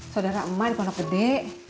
saudara emak di pondok gede